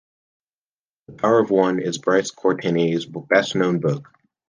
"The Power of One" is Bryce Courtenay's best known book.